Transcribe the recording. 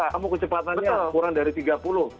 kamu kecepatannya kurang dari tiga puluh